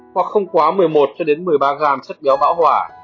hoặc không quá một mươi một một mươi ba g chất béo bão hòa